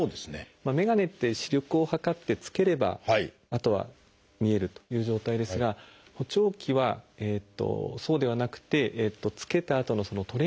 眼鏡って視力を測って着ければあとは見えるという状態ですが補聴器はそうではなくて着けたあとのトレーニングという期間が大事になります。